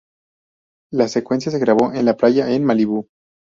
La secuencia se grabó en la playa en Malibu.